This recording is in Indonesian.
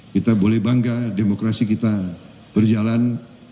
kita boleh bangga demokrasi kita berjalan